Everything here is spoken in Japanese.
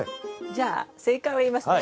じゃあ正解を言いますね。